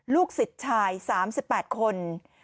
ลูกศิษย์ชาย๓๘คน